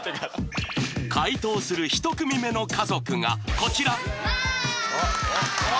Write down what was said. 解答する１組目の家族がこちらわあ！